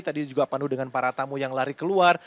tadi juga penuh dengan para tamu yang lari keluar